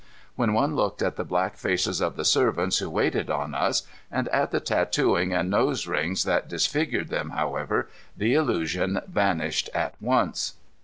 When one looked at the black faces of the servants who waited on us, and at the tattooing and nose rings that disfigured them, however, the illusion vanished at once.